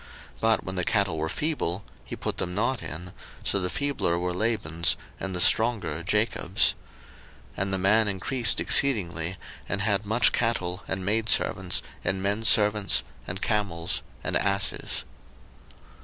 01:030:042 But when the cattle were feeble, he put them not in: so the feebler were Laban's, and the stronger Jacob's. 01:030:043 And the man increased exceedingly, and had much cattle, and maidservants, and menservants, and camels, and asses.